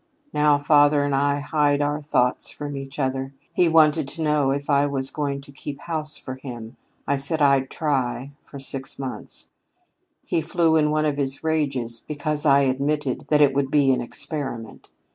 "Now father and I hide our thoughts from each other. He wanted to know if I was going to keep house for him. I said I'd try, for six months. He flew in one of his rages because I admitted that it would be an experiment.